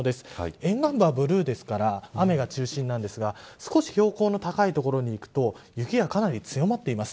沿岸部はブルーですから雨が中心ですが少し標高の高い所に行くと雪がかなり強まっています。